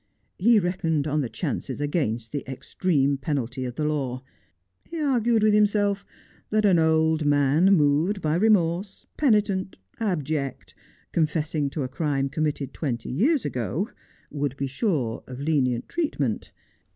He reckoned on the chances against the extreme penalty of the law. He argued with himself that an old man moved by remorse, penitent, abject, confessing to a crime committed twenty years ago, would be sure of lenient treatment.